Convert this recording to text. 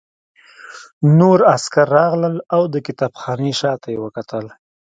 نور عسکر راغلل او د کتابخانې شاته یې وکتل